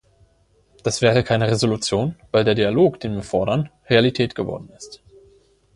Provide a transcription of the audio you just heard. Das wäre keine Resolution, weil der Dialog, den wir fordern, Realität geworden ist.